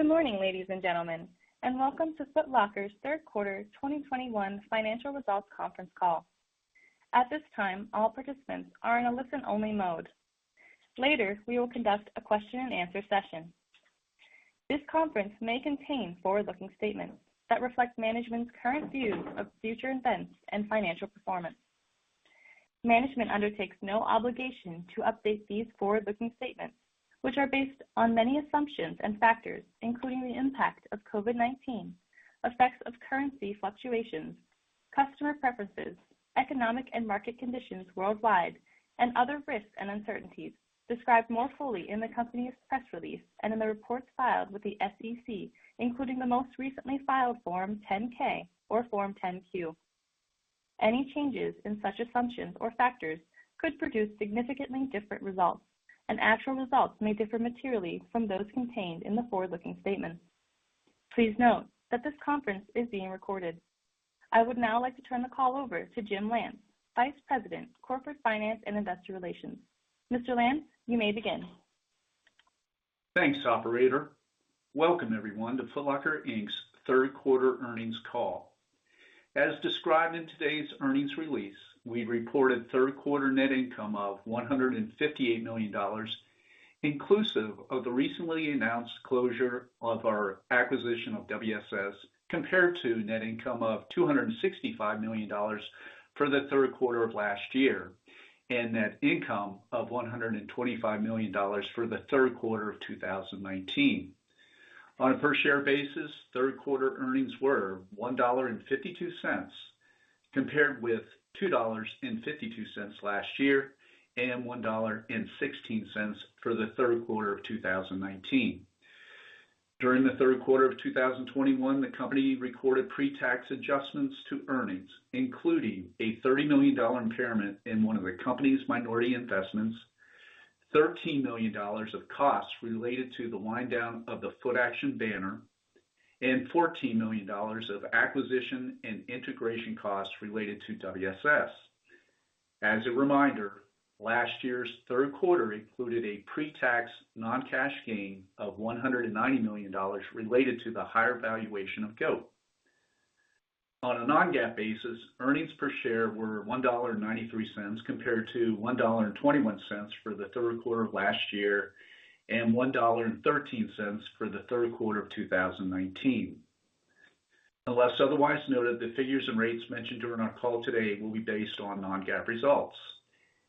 Good morning, ladies and gentlemen, and Welcome to Foot Locker's Q3 2021 Financial Results Conference Call. At this time, all participants are in a listen-only mode. Later, we will conduct a Q&A session. This conference may contain forward-looking statements that reflect management's current views of future events and financial performance. Management undertakes no obligation to update these forward-looking statements, which are based on many assumptions and factors, including the impact of COVID-19, effects of currency fluctuations, customer preferences, economic and market conditions worldwide, and other risks and uncertainties described more fully in the company's press release and in the reports filed with the SEC, including the most recently filed Form 10-K or Form 10-Q. Any changes in such assumptions or factors could produce significantly different results, and actual results may differ materially from those contained in the forward-looking statements. Please note that this conference is being recorded. I would now like to turn the call over to James Lance, VP of Corporate Finance and Investor Relations. Mr. Lance, you may begin. Thanks, operator. Welcome everyone to Foot Locker, Inc.'s Q3 Earnings Call. As described in today's earnings release, we reported Q3 net income of $158 million, inclusive of the recently announced closure of our acquisition of WSS, compared to net income of $265 million for the Q3 of last year, and net income of $125 million for the Q3 of 2019. On a per-share basis, Q3 earnings were $1.52, compared with $2.52 last year, and $1.16 for the Q3 of 2019. During the Q3 of 2021, the company recorded pre-tax adjustments to earnings, including a $30 million impairment in one of the company's minority investments, $13 million of costs related to the wind down of the FootAction banner, and $14 million of acquisition and integration costs related to WSS. As a reminder, last year's Q3 included a pre-tax non-cash gain of $190 million related to the higher valuation of GOAT. On a non-GAAP basis, earnings per share were $1.93 compared to $1.21 for the Q3 of last year, and $1.13 for the Q3 of 2019. Unless otherwise noted, the figures and rates mentioned during our call today will be based on non-GAAP results.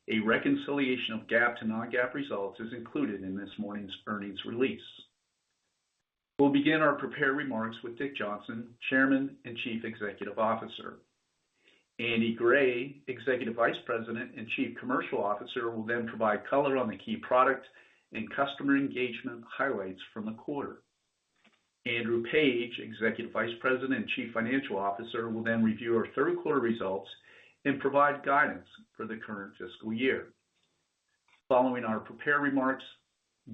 A reconciliation of GAAP to non-GAAP results is included in this morning's earnings release. We'll begin our prepared remarks with Dick Johnson, Chairman and CEO. Andy Gray, EVP and Chief Commercial Officer, will then provide color on the key product and customer engagement highlights from the quarter. Andrew Page, EVP and CFO will then review our Q3 results and provide guidance for the current fiscal year. Following our prepared remarks,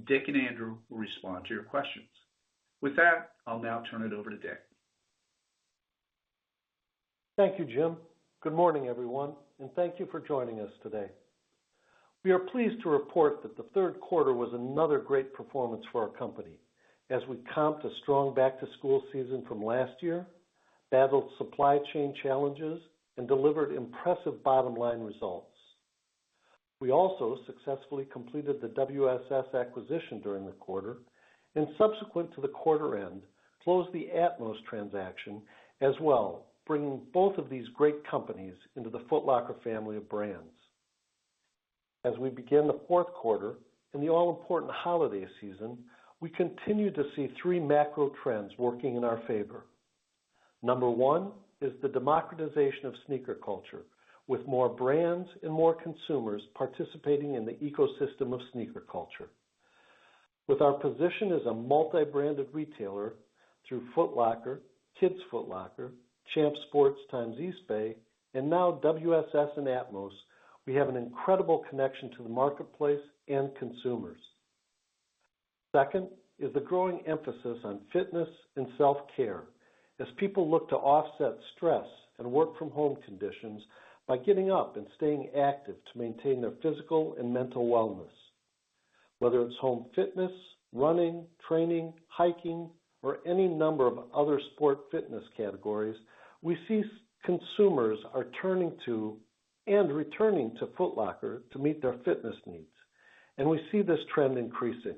Dick and Andrew will respond to your questions. With that, I'll now turn it over to Dick. Thank you, Jim. Good morning, everyone, and thank you for joining us today. We are pleased to report that the Q3 was another great performance for our company as we comped a strong back-to-school season from last year, battled supply chain challenges, and delivered impressive bottom-line results. We also successfully completed the WSS acquisition during the quarter and subsequent to the quarter end, closed the atmos transaction as well, bringing both of these great companies into the Foot Locker family of brands. As we begin the Q4 and the all-important holiday season, we continue to see three macro trends working in our favor. Number one is the democratization of sneaker culture, with more brands and more consumers participating in the ecosystem of sneaker culture. With our position as a multi-branded retailer through Foot Locker, Kids Foot Locker, Champs Sports x Eastbay, and now WSS and Atmos, we have an incredible connection to the marketplace and consumers. Second is the growing emphasis on fitness and self-care as people look to offset stress and work from home conditions by getting up and staying active to maintain their physical and mental wellness. Whether it's home fitness, running, training, hiking, or any number of other sport fitness categories, we see consumers are turning to and returning to Foot Locker to meet their fitness needs, and we see this trend increasing.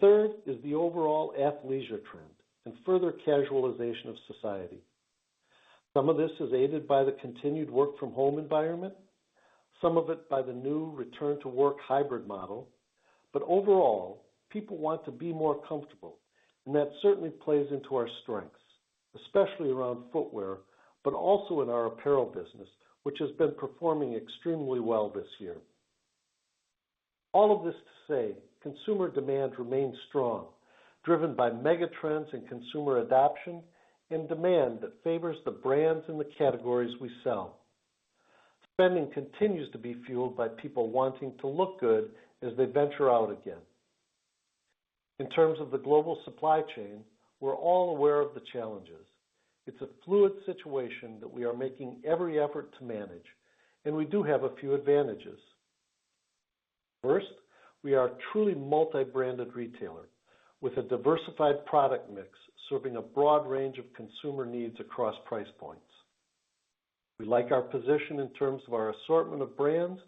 Third is the overall athleisure trend and further casualization of society. Some of this is aided by the continued work from home environment, some of it by the new return to work hybrid model. Overall, people want to be more comfortable, and that certainly plays into our strengths, especially around footwear, but also in our apparel business, which has been performing extremely well this year. All of this to say consumer demand remains strong, driven by megatrends in consumer adoption and demand that favors the brands and the categories we sell. Spending continues to be fueled by people wanting to look good as they venture out again. In terms of the global supply chain, we're all aware of the challenges. It's a fluid situation that we are making every effort to manage, and we do have a few advantages. First, we are a truly multi-branded retailer with a diversified product mix serving a broad range of consumer needs across price points. We like our position in terms of our assortment of brands,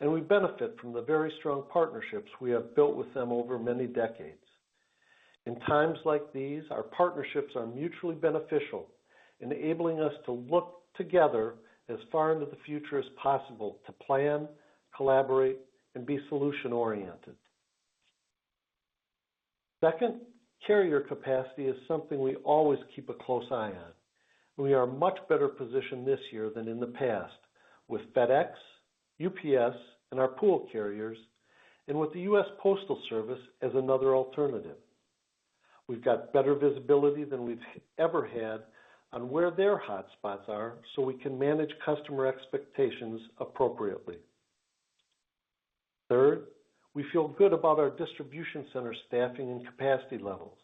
and we benefit from the very strong partnerships we have built with them over many decades. In times like these, our partnerships are mutually beneficial, enabling us to look together as far into the future as possible to plan, collaborate, and be solution-oriented. Second, carrier capacity is something we always keep a close eye on. We are much better positioned this year than in the past with FedEx, UPS, and our pool carriers, and with the U.S. Postal Service as another alternative. We've got better visibility than we've ever had on where their hotspots are so we can manage customer expectations appropriately. Third, we feel good about our distribution center staffing and capacity levels.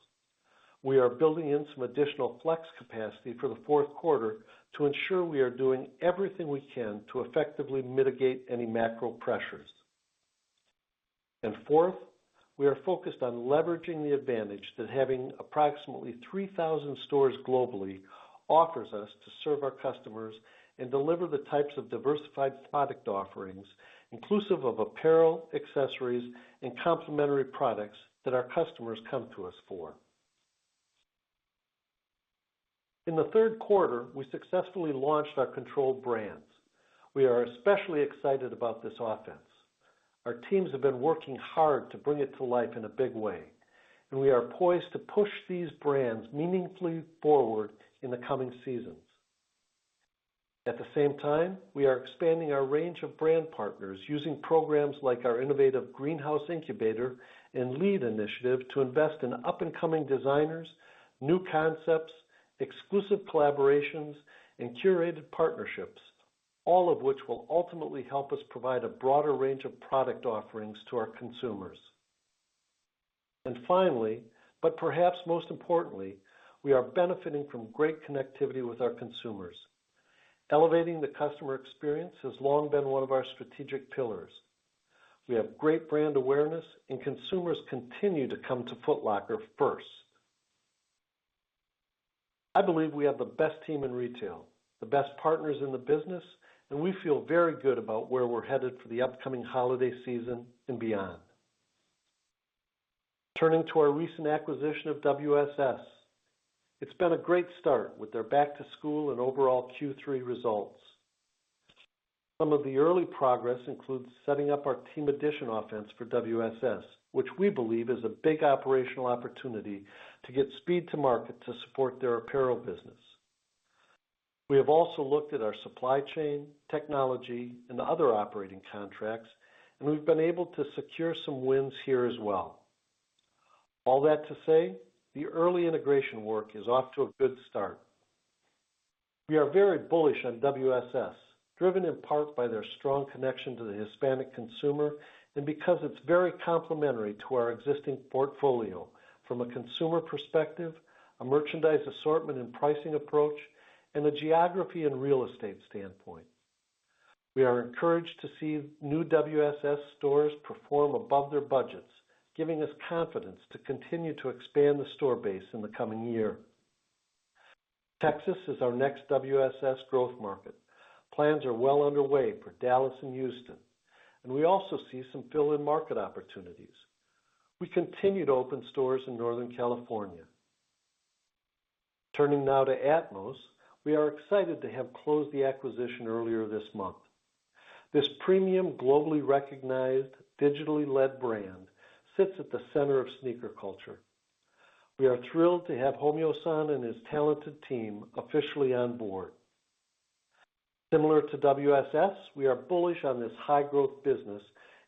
We are building in some additional flex capacity for the Q4 to ensure we are doing everything we can to effectively mitigate any macro pressures. Fourth, we are focused on leveraging the advantage that having approximately 3,000 stores globally offers us to serve our customers and deliver the types of diversified product offerings inclusive of apparel, accessories, and complementary products that our customers come to us for. In the Q3, we successfully launched our controlled brands. We are especially excited about this offense. Our teams have been working hard to bring it to life in a big way, and we are poised to push these brands meaningfully forward in the coming seasons. At the same time, we are expanding our range of brand partners using programs like our innovative Greenhouse Incubator and LEED Initiative to invest in up-and-coming designers, new concepts, exclusive collaborations, and curated partnerships, all of which will ultimately help us provide a broader range of product offerings to our consumers. Finally, but perhaps most importantly, we are benefiting from great connectivity with our consumers. Elevating the customer experience has long been one of our strategic pillars. We have great brand awareness, and consumers continue to come to Foot Locker first. I believe we have the best team in retail, the best partners in the business, and we feel very good about where we're headed for the upcoming holiday season and beyond. Turning to our recent acquisition of WSS, it's been a great start with their back-to-school and overall Q3 results. Some of the early progress includes setting up our team and distribution offense for WSS, which we believe is a big operational opportunity to get speed to market to support their apparel business. We have also looked at our supply chain, technology, and other operating contracts, and we've been able to secure some wins here as well. All that to say, the early integration work is off to a good start. We are very bullish on WSS, driven in part by their strong connection to the Hispanic consumer and because it's very complementary to our existing portfolio from a consumer perspective, a merchandise assortment and pricing approach, and a geography and real estate standpoint. We are encouraged to see new WSS stores perform above their budgets, giving us confidence to continue to expand the store base in the coming year. Texas is our next WSS growth market. Plans are well underway for Dallas and Houston, and we also see some fill-in market opportunities. We continue to open stores in Northern California. Turning now to atmos, we are excited to have closed the acquisition earlier this month. This premium, globally recognized, digitally led brand sits at the center of sneaker culture. We are thrilled to have Hommyo-san and his talented team officially on board. Similar to WSS, we are bullish on this high-growth business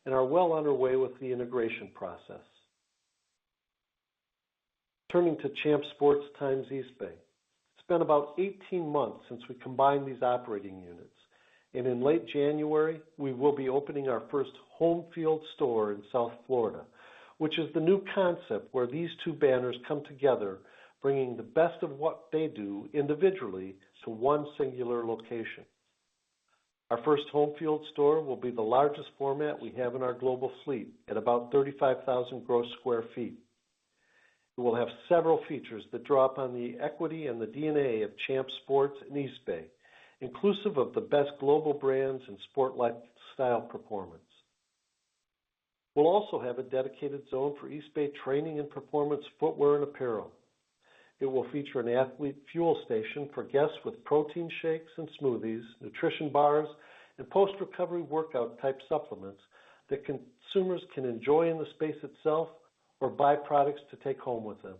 and are well underway with the integration process. Turning to Champs Sports x Eastbay. It's been about 18 months since we combined these operating units, and in late January, we will be opening our first Homefield store in South Florida, which is the new concept where these two banners come together, bringing the best of what they do individually to one singular location. Our first Homefield store will be the largest format we have in our global fleet at about 35,000 gross sq ft. It will have several features that draw upon the equity and the DNA of Champs Sports and Eastbay, inclusive of the best global brands in sport, lifestyle, performance. We'll also have a dedicated zone for Eastbay training and performance footwear and apparel. It will feature an athlete fuel station for guests with protein shakes and smoothies, nutrition bars, and post-recovery workout type supplements that consumers can enjoy in the space itself or buy products to take home with them.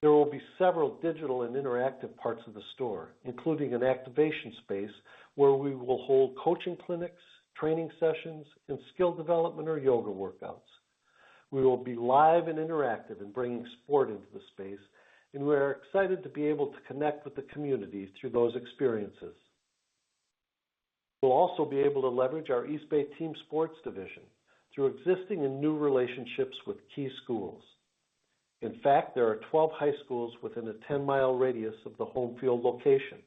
There will be several digital and interactive parts of the store, including an activation space where we will hold coaching clinics, training sessions, and skill development or yoga workouts. We will be live and interactive in bringing sport into the space, and we are excited to be able to connect with the community through those experiences. We'll also be able to leverage our Eastbay team sports division through existing and new relationships with key schools. In fact, there are 12 high schools within a 10-mile radius of the Homefield location.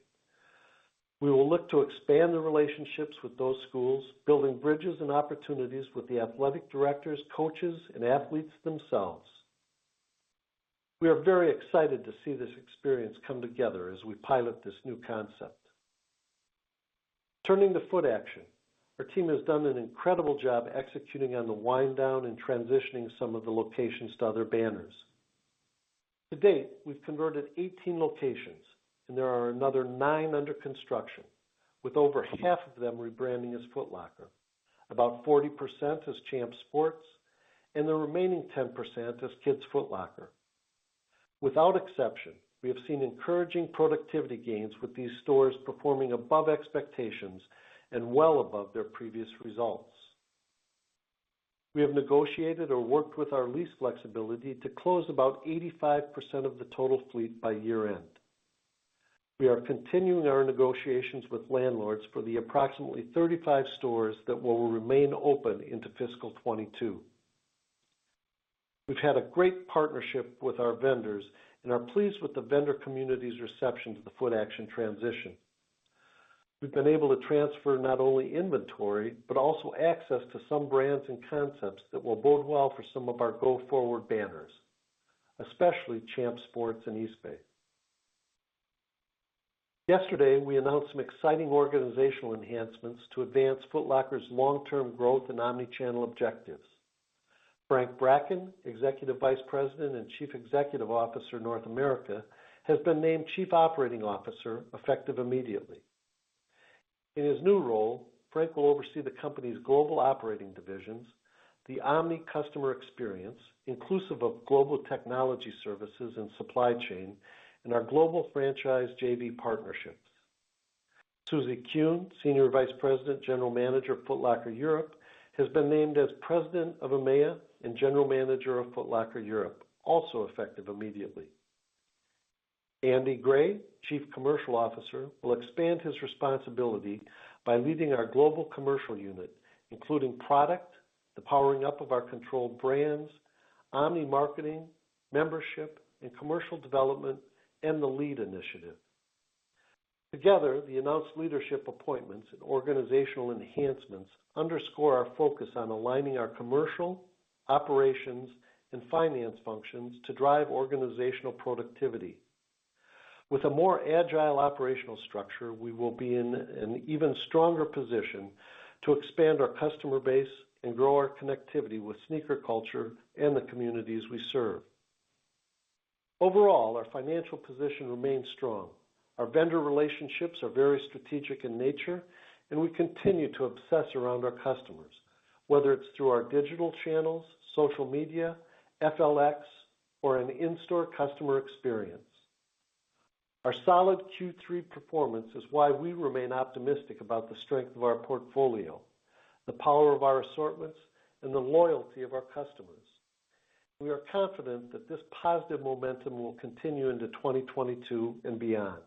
We will look to expand the relationships with those schools, building bridges and opportunities with the athletic directors, coaches, and athletes themselves. We are very excited to see this experience come together as we pilot this new concept. Turning to Footaction, our team has done an incredible job executing on the wind down and transitioning some of the locations to other banners. To date, we've converted 18 locations, and there are another nine under construction, with over half of them rebranding as Foot Locker, about 40% as Champs Sports, and the remaining 10% as Kids Foot Locker. Without exception, we have seen encouraging productivity gains with these stores performing above expectations and well above their previous results. We have negotiated or worked with our lease flexibility to close about 85% of the total fleet by year-end. We are continuing our negotiations with landlords for the approximately 35 stores that will remain open into fiscal 2022. We've had a great partnership with our vendors and are pleased with the vendor community's reception to the Footaction transition. We've been able to transfer not only inventory, but also access to some brands and concepts that will bode well for some of our go-forward banners, especially Champs Sports and Eastbay. Yesterday, we announced some exciting organizational enhancements to advance Foot Locker's long-term growth and omni-channel objectives. Frank Bracken, EVP and CEO, North America, has been named COO, effective immediately. In his new role, Frank will oversee the company's global operating divisions, the omni customer experience, inclusive of global technology services and supply chain, and our global franchise JV partnerships. Susie Kuhn, SVP, General Manager of Foot Locker Europe, has been named as President of EMEA and General Manager of Foot Locker Europe, also effective immediately. Andy Gray, Chief Commercial Officer, will expand his responsibility by leading our global commercial unit, including product, the powering up of our controlled brands, omni-marketing, membership and commercial development, and the LEED initiative. Together, the announced leadership appointments and organizational enhancements underscore our focus on aligning our commercial, operations, and finance functions to drive organizational productivity. With a more agile operational structure, we will be in an even stronger position to expand our customer base and grow our connectivity with sneaker culture and the communities we serve. Overall, our financial position remains strong. Our vendor relationships are very strategic in nature, and we continue to obsess around our customers, whether it's through our digital channels, social media, FLX, or an in-store customer experience. Our solid Q3 performance is why we remain optimistic about the strength of our portfolio, the power of our assortments, and the loyalty of our customers. We are confident that this positive momentum will continue into 2022 and beyond.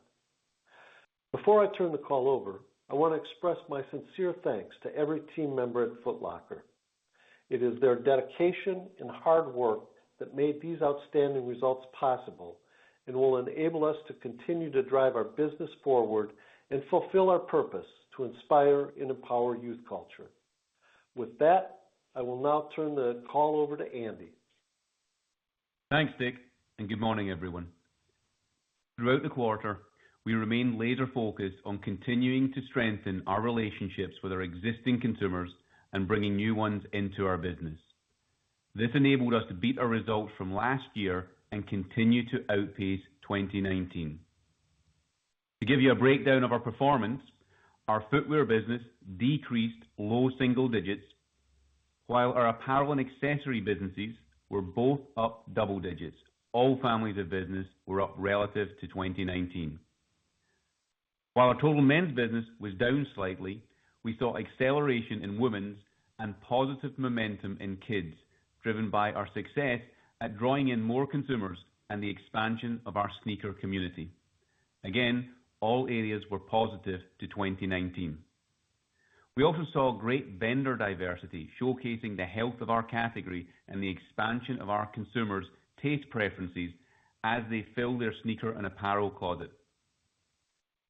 Before I turn the call over, I want to express my sincere thanks to every team member at Foot Locker. It is their dedication and hard work that made these outstanding results possible and will enable us to continue to drive our business forward and fulfill our purpose to inspire and empower youth culture. With that, I will now turn the call over to Andy. Thanks, Dick, and good morning, everyone. Throughout the quarter, we remained laser focused on continuing to strengthen our relationships with our existing consumers and bringing new ones into our business. This enabled us to beat our results from last year and continue to outpace 2019. To give you a breakdown of our performance, our footwear business decreased low single digits, while our apparel and accessory businesses were both up double digits. All families of business were up relative to 2019. While our total men's business was down slightly, we saw acceleration in women's and positive momentum in kids, driven by our success at drawing in more consumers and the expansion of our sneaker community. Again, all areas were positive to 2019. We also saw great vendor diversity, showcasing the health of our category and the expansion of our consumers' taste preferences as they fill their sneaker and apparel closet.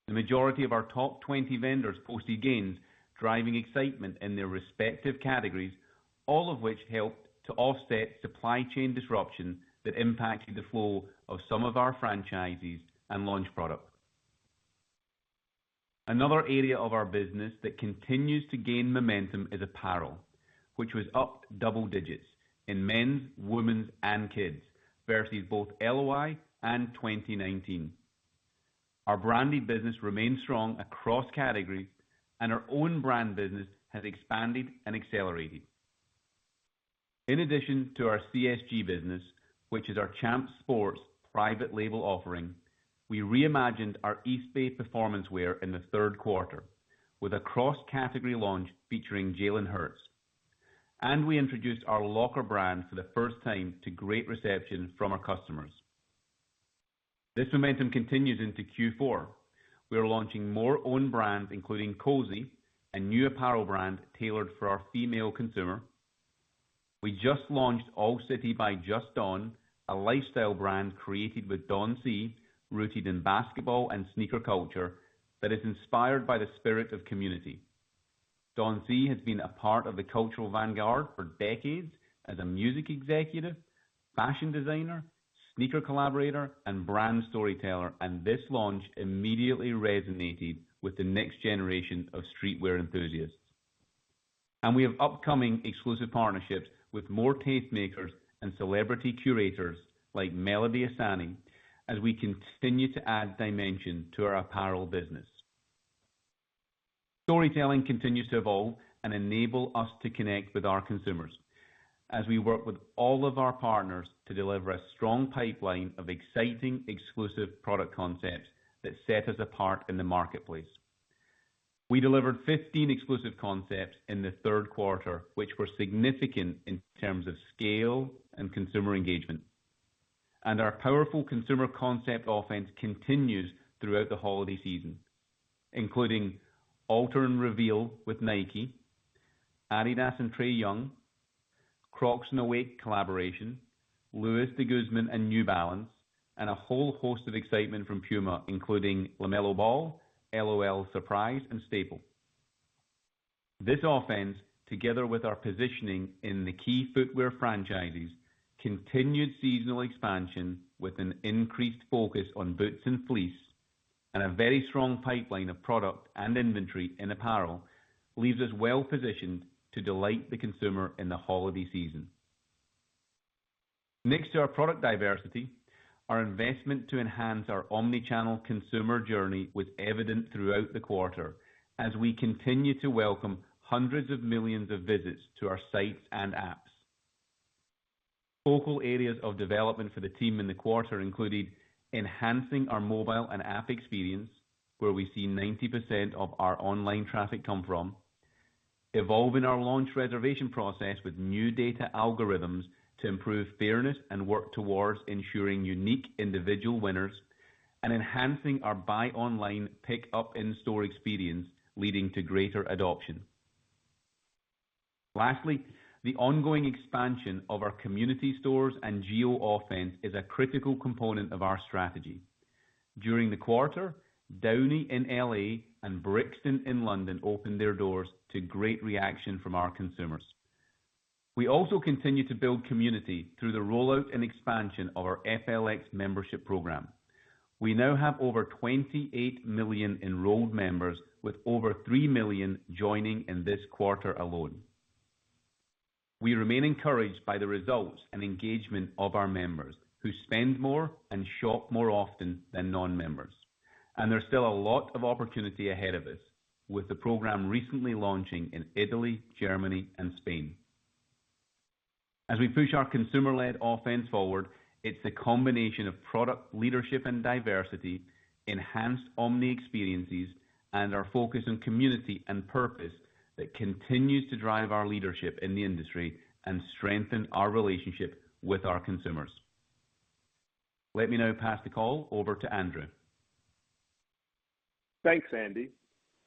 The majority of our top 20 vendors posted gains, driving excitement in their respective categories, all of which helped to offset supply chain disruption that impacted the flow of some of our franchises and launch product. Another area of our business that continues to gain momentum is apparel, which was up double digits in men's, women's, and kids versus both LY and 2019. Our branded business remains strong across categories, and our own brand business has expanded and accelerated. In addition to our CSG business, which is our Champs Sports private label offering, we reimagined our Eastbay Performance wear in the Q3 with a cross-category launch featuring Jalen Hurts. We introduced our LCKR brand for the first time to great reception from our customers. This momentum continues into Q4. We are launching more own brands, including Cozi, a new apparel brand tailored for our female consumer. We just launched All City by Just Don, a lifestyle brand created with Don C, rooted in basketball and sneaker culture that is inspired by the spirit of community. Don C has been a part of the cultural vanguard for decades as a music executive, fashion designer, sneaker collaborator, and brand storyteller, and this launch immediately resonated with the next generation of streetwear enthusiasts. We have upcoming exclusive partnerships with more tastemakers and celebrity curators like Melody Ehsani as we continue to add dimension to our apparel business. Storytelling continues to evolve and enable us to connect with our consumers as we work with all of our partners to deliver a strong pipeline of exciting exclusive product concepts that set us apart in the marketplace. We delivered 15 exclusive concepts in the Q3, which were significant in terms of scale and consumer engagement. Our powerful consumer concept offense continues throughout the holiday season, including Alter & Reveal with Nike, Adidas and Trae Young, Crocs and Awake NY collaboration, Luis De Guzman and New Balance, and a whole host of excitement from Puma, including LaMelo Ball, L.O.L. Surprise!, and Staple. This offense, together with our positioning in the key footwear franchises, continued seasonal expansion with an increased focus on boots and fleece and a very strong pipeline of product and inventory and apparel leaves us well-positioned to delight the consumer in the holiday season. Next to our product diversity, our investment to enhance our omni-channel consumer journey was evident throughout the quarter as we continue to welcome hundreds of millions of visits to our sites and apps. Focal areas of development for the team in the quarter included enhancing our mobile and app experience, where we see 90% of our online traffic come from, evolving our launch reservation process with new data algorithms to improve fairness and work towards ensuring unique individual winners, and enhancing our buy online pick up in store experience, leading to greater adoption. Lastly, the ongoing expansion of our community stores and geofencing is a critical component of our strategy. During the quarter, Downey in L.A. and Brixton in London opened their doors to great reaction from our consumers. We also continue to build community through the rollout and expansion of our FLX membership program. We now have over 28 million enrolled members, with over three million joining in this quarter alone. We remain encouraged by the results and engagement of our members who spend more and shop more often than non-members. There's still a lot of opportunity ahead of us with the program recently launching in Italy, Germany, and Spain. As we push our consumer-led offense forward, it's a combination of product leadership and diversity, enhanced omni-experiences, and our focus on community and purpose that continues to drive our leadership in the industry and strengthen our relationship with our consumers. Let me now pass the call over to Andrew. Thanks, Andy.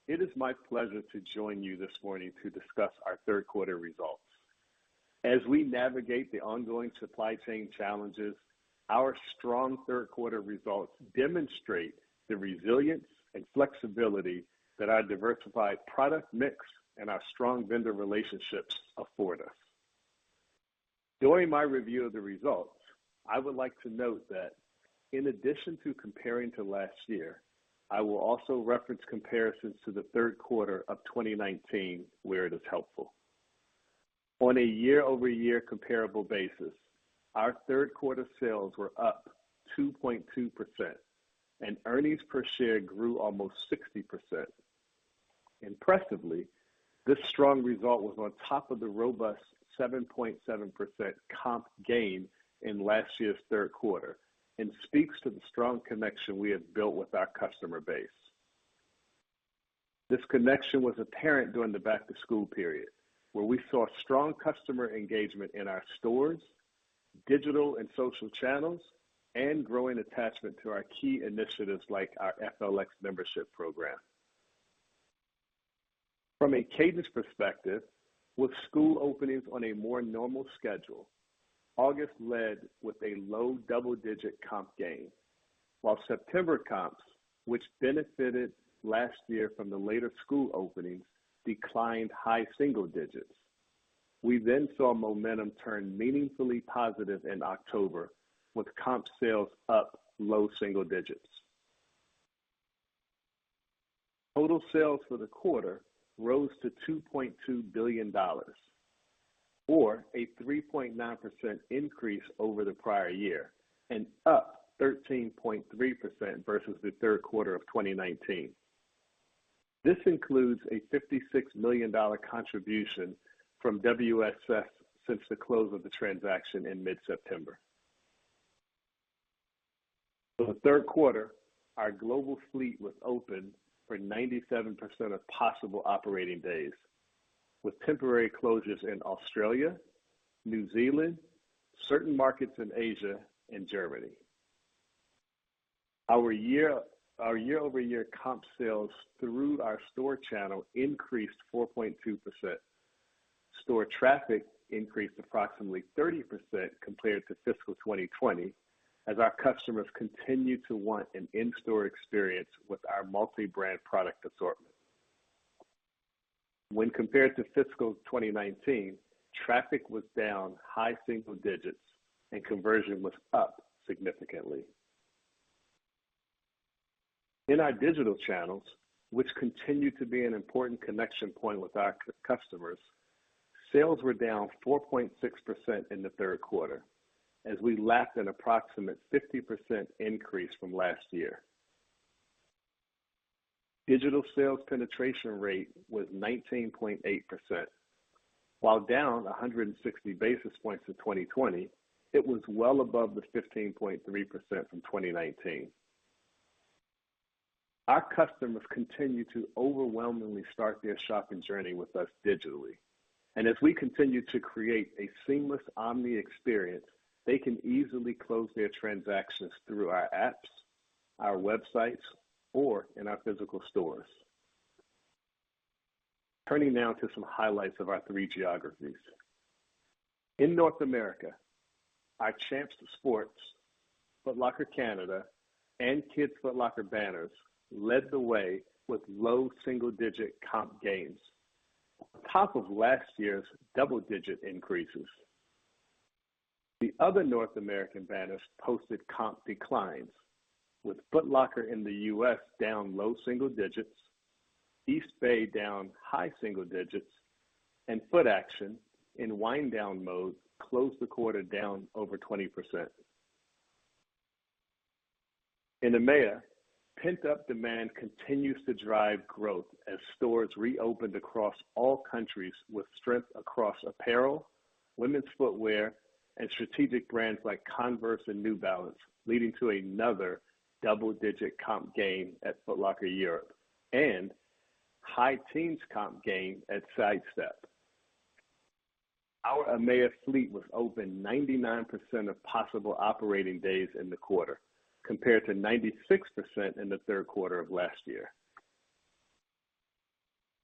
It is my pleasure to join you this morning to discuss our Q3 results. As we navigate the ongoing supply chain challenges, our strong Q3 results demonstrate the resilience and flexibility that our diversified product mix and our strong vendor relationships afford us. During my review of the results, I would like to note that in addition to comparing to last year, I will also reference comparisons to the Q3 of 2019 where it is helpful. On a YoY comparable basis, our Q3 sales were up 2.2%, and earnings per share grew almost 60%. Impressively, this strong result was on top of the robust 7.7% comp gain in last year's Q3 and speaks to the strong connection we have built with our customer base. This connection was apparent during the back-to-school period, where we saw strong customer engagement in our stores, digital and social channels, and growing attachment to our key initiatives like our FLX membership program. From a cadence perspective, with school openings on a more normal schedule, August led with a low double-digit comp gain, while September comps, which benefited last year from the later school openings, declined high single digits. We then saw momentum turn meaningfully positive in October with comp sales up low single digits. Total sales for the quarter rose to $2.2 billion or a 3.9% increase over the prior year, and up 13.3% versus the Q3 of 2019. This includes a $56 million contribution from WSS since the close of the transaction in mid-September. For the Q3, our global fleet was open for 97% of possible operating days. With temporary closures in Australia, New Zealand, certain markets in Asia and Germany. Our YoY comp sales through our store channel increased 4.2%. Store traffic increased approximately 30% compared to fiscal 2020 as our customers continue to want an in-store experience with our multi-brand product assortment. When compared to fiscal 2019, traffic was down high single digits and conversion was up significantly. In our digital channels, which continue to be an important connection point with our customers, sales were down 4.6% in the Q3 as we lapped an approximate 50% increase from last year. Digital sales penetration rate was 19.8%. While down 160 basis points to 2020, it was well above the 15.3% from 2019. Our customers continue to overwhelmingly start their shopping journey with us digitally, and as we continue to create a seamless omni experience, they can easily close their transactions through our apps, our websites, or in our physical stores. Turning now to some highlights of our three geographies. In North America, our Champs Sports, Foot Locker Canada, and Kids Foot Locker banners led the way with low single-digit comp gains on top of last year's double-digit increases. The other North American banners posted comp declines, with Foot Locker in the U.S. down low single digits, Eastbay down high single digits, and Footaction in wind-down mode closed the quarter down over 20%. In EMEA, pent-up demand continues to drive growth as stores reopened across all countries with strength across apparel, women's footwear, and strategic brands like Converse and New Balance, leading to another double-digit comp gain at Foot Locker Europe and high teens comp gain at Sidestep. Our EMEA fleet was open 99% of possible operating days in the quarter, compared to 96% in the Q3 of last year.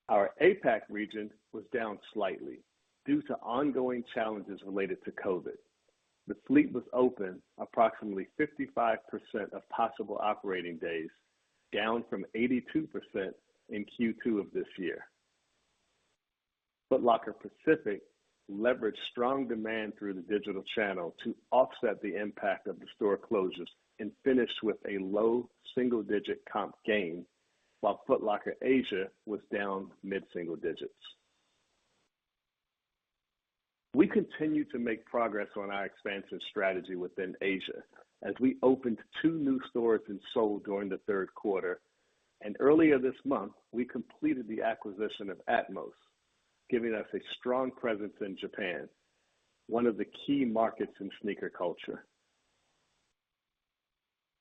Our APAC region was down slightly due to ongoing challenges related to COVID. The fleet was open approximately 55% of possible operating days, down from 82% in Q2 of this year. Foot Locker Pacific leveraged strong demand through the digital channel to offset the impact of the store closures and finished with a low single-digit comp gain, while Foot Locker Asia was down mid-single digits. We continue to make progress on our expansive strategy within Asia as we opened two new stores in Seoul during the Q3. Earlier this month, we completed the acquisition of atmos, giving us a strong presence in Japan, one of the key markets in sneaker culture.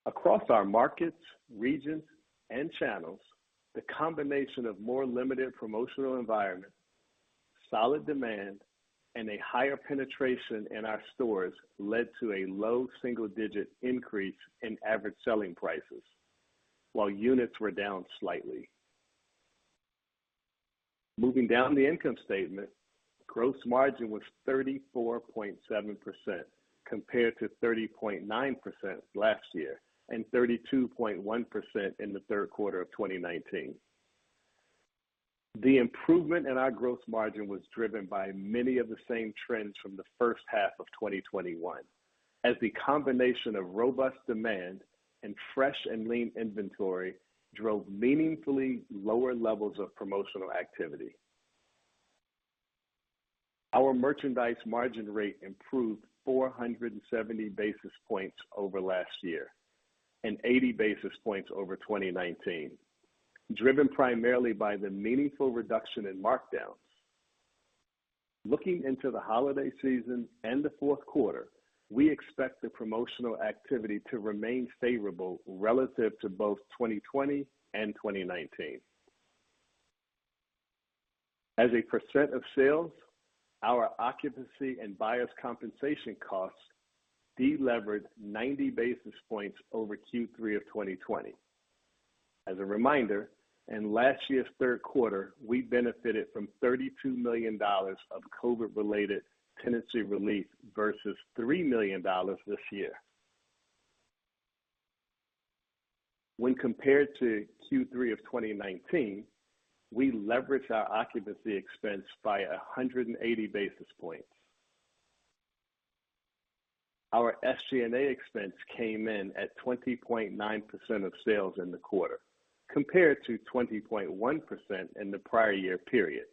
Across our markets, regions, and channels, the combination of more limited promotional environment, solid demand, and a higher penetration in our stores led to a low single-digit increase in average selling prices, while units were down slightly. Moving down the income statement, gross margin was 34.7% compared to 30.9% last year and 32.1% in the Q3 of 2019. The improvement in our growth margin was driven by many of the same trends from the H1 of 2021, as the combination of robust demand and fresh and lean inventory drove meaningfully lower levels of promotional activity. Our merchandise margin rate improved 470 basis points over last year and 80 basis points over 2019, driven primarily by the meaningful reduction in markdowns. Looking into the holiday season and the Q4, we expect the promotional activity to remain favorable relative to both 2020 and 2019. As a % of sales, our occupancy and bias compensation costs de-levered 90 basis points over Q3 of 2020. As a reminder, in last year's Q3, we benefited from $32 million of COVID-related tenancy relief versus $3 million this year. When compared to Q3 of 2019, we leveraged our occupancy expense by 180 basis points. Our SG&A expense came in at 20.9% of sales in the quarter, compared to 20.1% in the prior year period.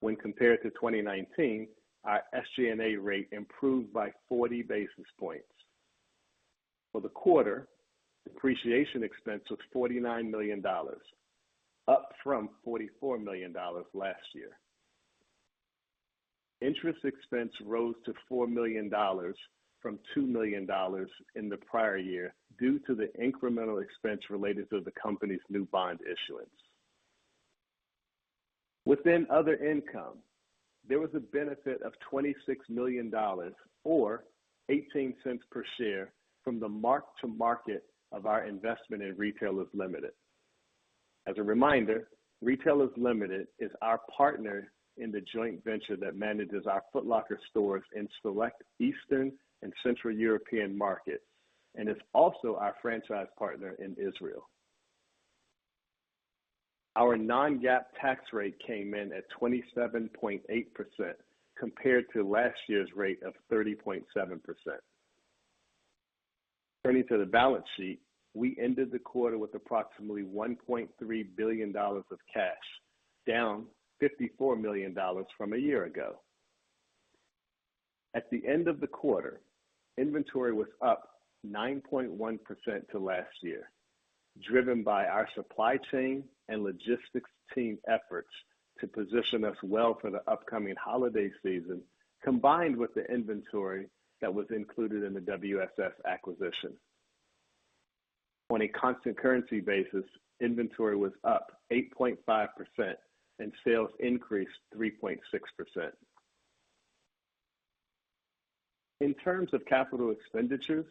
When compared to 2019, our SG&A rate improved by 40 basis points. For the quarter, depreciation expense was $49 million, up from $44 million last year. Interest expense rose to $4 million from $2 million in the prior year due to the incremental expense related to the company's new bond issuance. Within other income, there was a benefit of $26 million or $0.18 per share from the mark to market of our investment in Retailors Ltd. As a reminder, Retailors Ltd. is our partner in the joint venture that manages our Foot Locker stores in select Eastern and Central European markets, and is also our franchise partner in Israel. Our non-GAAP tax rate came in at 27.8% compared to last year's rate of 30.7%. Turning to the balance sheet, we ended the quarter with approximately $1.3 billion of cash, down $54 million from a year ago. At the end of the quarter, inventory was up 9.1% to last year, driven by our supply chain and logistics team efforts to position us well for the upcoming holiday season, combined with the inventory that was included in the WSS acquisition. On a constant currency basis, inventory was up 8.5% and sales increased 3.6%. In terms of capital expenditures,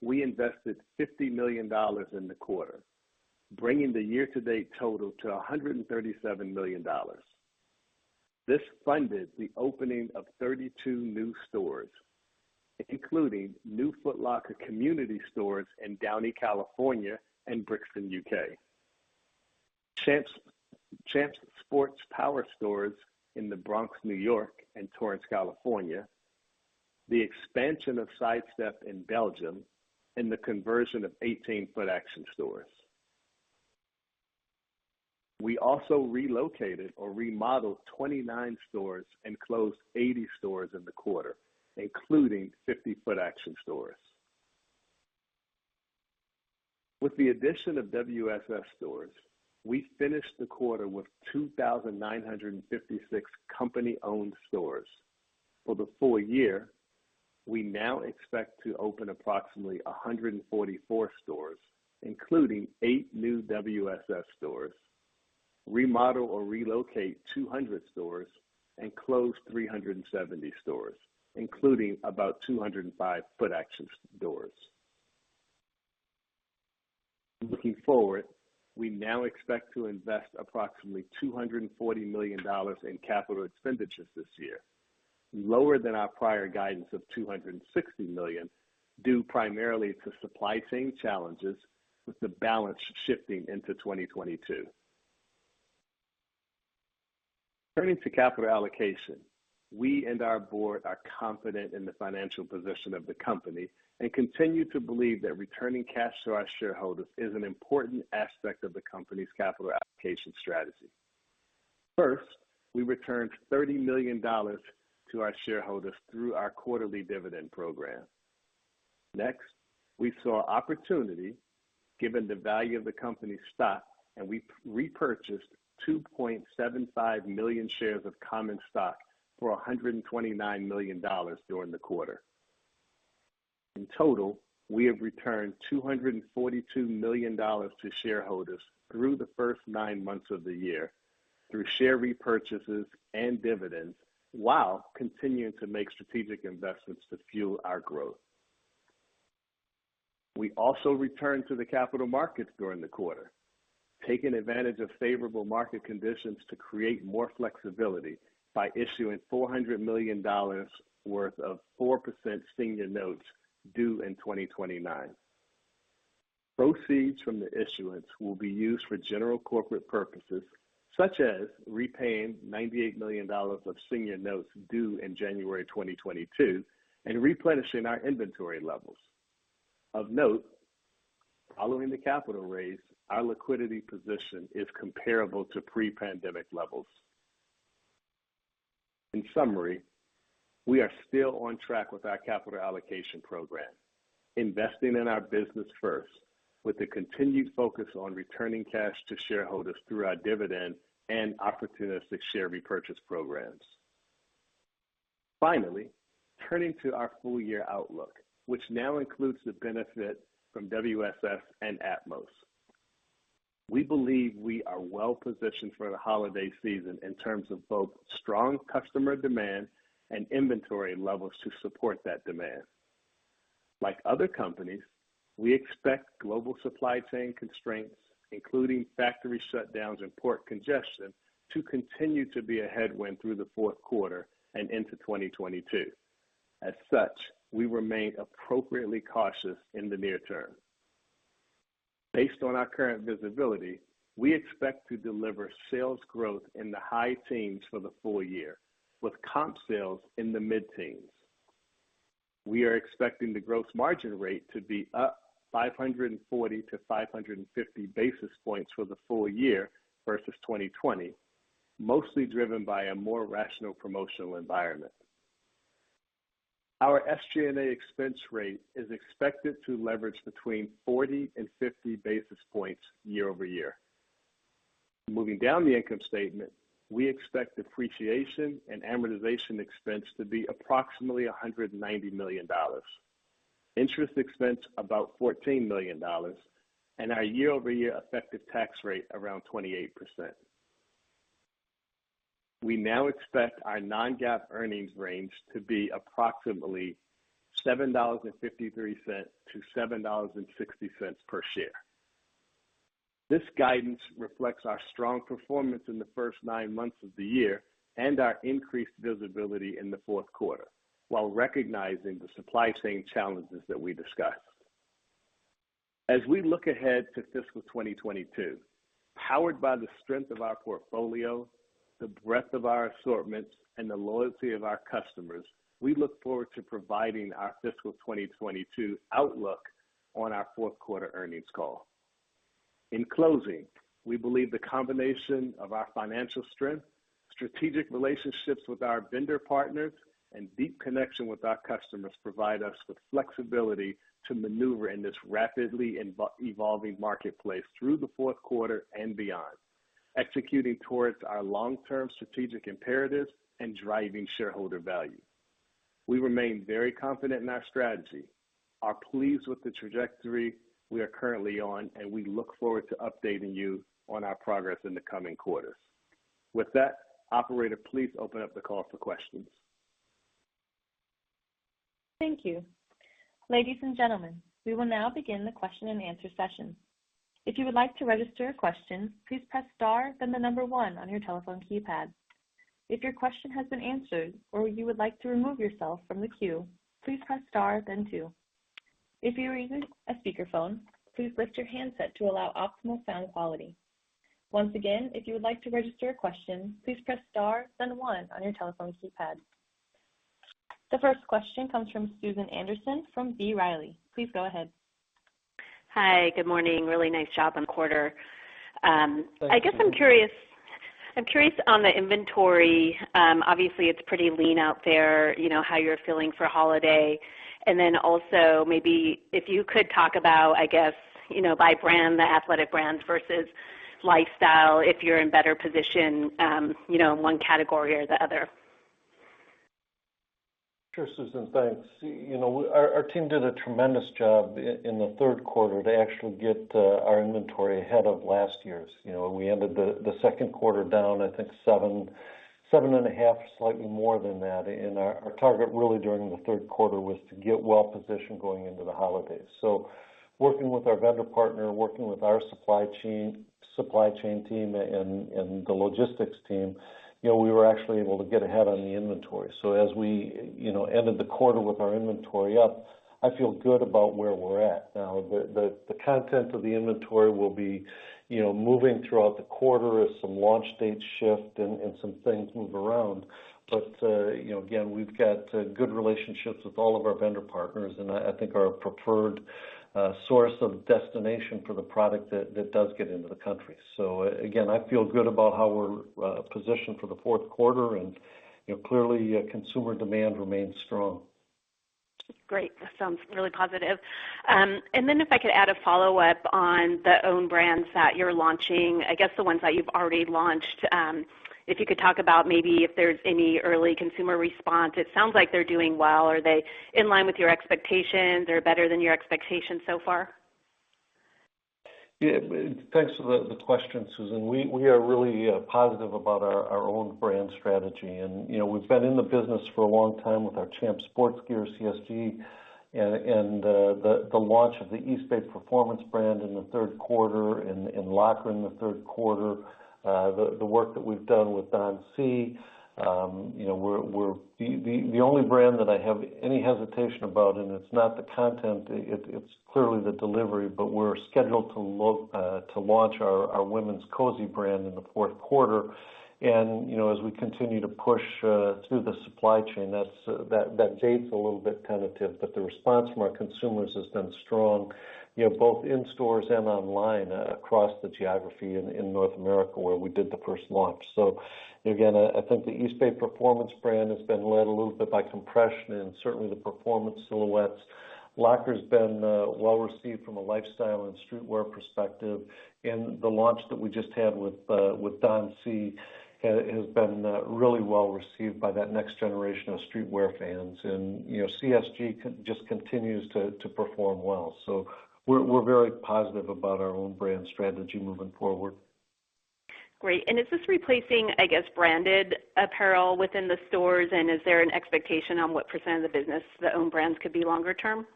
we invested $50 million in the quarter, bringing the year-to-date total to $137 million. This funded the opening of 32 new stores, including new Foot LCKR community stores in Downey, California, and Brixton, U.K., Champs Sports power stores in the Bronx, New York, and Torrance, California, the expansion of Sidestep in Belgium, and the conversion of 18 FootAction stores. We also relocated or remodeled 29 stores and closed 80 stores in the quarter, including 50 FootAction stores. With the addition of WSS stores, we finished the quarter with 2,956 company-owned stores. For the full year, we now expect to open approximately 144 stores, including eight new WSS stores, remodel or relocate 200 stores, and close 370 stores, including about 205 FootAction stores. Looking forward, we now expect to invest approximately $240 million in capital expenditures this year, lower than our prior guidance of $260 million, due primarily to supply chain challenges, with the balance shifting into 2022. Turning to capital allocation. We and our board are confident in the financial position of the company and continue to believe that returning cash to our shareholders is an important aspect of the company's capital allocation strategy. First, we returned $30 million to our shareholders through our quarterly dividend program. Next, we saw opportunity given the value of the company's stock, and we repurchased 2.75 million shares of common stock for $129 million during the quarter. In total, we have returned $242 million to shareholders through the first nine months of the year through share repurchases and dividends, while continuing to make strategic investments to fuel our growth. We also returned to the capital markets during the quarter, taking advantage of favorable market conditions to create more flexibility by issuing $400 million worth of 4% senior notes due in 2029. Proceeds from the issuance will be used for general corporate purposes such as repaying $98 million of senior notes due in January 2022 and replenishing our inventory levels. Of note, following the capital raise, our liquidity position is comparable to pre-pandemic levels. In summary, we are still on track with our capital allocation program, investing in our business first with a continued focus on returning cash to shareholders through our dividend and opportunistic share repurchase programs. Finally, turning to our full-year outlook, which now includes the benefit from WSS and Atmos. We believe we are well positioned for the holiday season in terms of both strong customer demand and inventory levels to support that demand. Like other companies, we expect global supply chain constraints, including factory shutdowns and port congestion, to continue to be a headwind through the Q4 and into 2022. As such, we remain appropriately cautious in the near term. Based on our current visibility, we expect to deliver sales growth in the high teens% for the full year with comp sales in the mid-teens%. We are expecting the gross margin rate to be up 540 to 550 basis points for the full year versus 2020, mostly driven by a more rational promotional environment. Our SG&A expense rate is expected to leverage between 40 and 50 basis points year-over-year. Moving down the income statement, we expect depreciation and amortization expense to be approximately $190 million. Interest expense about $14 million and our YoY effective tax rate around 28%. We now expect our non-GAAP earnings range to be approximately $7.53 to $7.60 per share. This guidance reflects our strong performance in the first nine months of the year and our increased visibility in the Q4, while recognizing the supply chain challenges that we discussed. As we look ahead to fiscal 2022, powered by the strength of our portfolio, the breadth of our assortments, and the loyalty of our customers, we look forward to providing Our Fiscal 2022 Outlook on Our Q4 Earnings Call. In closing, we believe the combination of our financial strength, strategic relationships with our vendor partners and deep connection with our customers provide us the flexibility to maneuver in this rapidly evolving marketplace through the Q4 and beyond, executing towards our long-term strategic imperatives and driving shareholder value. We remain very confident in our strategy, are pleased with the trajectory we are currently on, and we look forward to updating you on our progress in the coming quarters. With that, operator, please open up the call for questions. Thank you. Ladies and gentlemen, we will now begin the question-and-answer session. If you would like to register a question, please press star then the number one on your telephone keypad. If your question has been answered or you would like to remove yourself from the queue, please press star then two. If you are using a speakerphone, please lift your handset to allow optimal sound quality. Once again, if you would like to register a question, please press star then one on your telephone keypad. The first question comes from Susan Anderson from B. Riley. Please go ahead. Hi. Good morning. Really nice job on the quarter. Thank you. I guess I'm curious on the inventory, obviously it's pretty lean out there, you know, how you're feeling for holiday, and then also maybe if you could talk about, I guess, you know, by brand, the athletic brand versus lifestyle, if you're in better position, you know, in one category or the other. Sure, Susan, thanks. Our team did a tremendous job in the Q3 to actually get our inventory ahead of last year's. You know, we ended the Q2 down, I think 7.5%, slightly more than that. Our target really during the Q3 was to get well-positioned going into the holidays. Working with our vendor partner, working with our supply chain team and the logistics team, you know, we were actually able to get ahead on the inventory. As we, you know, ended the quarter with our inventory up, I feel good about where we're at. Now, the content of the inventory will be, you know, moving throughout the quarter as some launch dates shift and some things move around. You know, again, we've got good relationships with all of our vendor partners and I think our preferred source of destination for the product that does get into the country. Again, I feel good about how we're positioned for the Q4. You know, clearly, consumer demand remains strong. Great. That sounds really positive. If I could add a follow-up on the own brands that you're launching, I guess the ones that you've already launched, if you could talk about maybe if there's any early consumer response. It sounds like they're doing well. Are they in line with your expectations or better than your expectations so far? Yeah. Thanks for the question, Susan. We are really positive about our own brand strategy. You know, we've been in the business for a long time with our Champs Sports Gear, CSG, and the launch of the Eastbay Performance brand in the Q3 and LCKR in the Q3. The work that we've done with Don C, you know, we're. The only brand that I have any hesitation about, and it's not the content, it's clearly the delivery, but we're scheduled to launch our women's Cozi brand in the Q4. You know, as we continue to push through the supply chain, that's a little bit kind of tight, but the response from our consumers has been strong, you know, both in stores and online across the geography in North America where we did the first launch. Again, I think the Eastbay Performance brand has been led a little bit by compression and certainly the performance silhouettes. LCKR's been well received from a lifestyle and streetwear perspective. The launch that we just had with Don C has been really well received by that next generation of streetwear fans. You know, CSG just continues to perform well. We're very positive about our own brand strategy moving forward. Great. Is this replacing, I guess, branded apparel within the stores? Is there an expectation on what % of the business the own brands could be longer term?